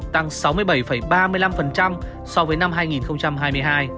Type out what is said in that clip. tăng sáu mươi bảy ba mươi năm so với năm hai nghìn hai mươi hai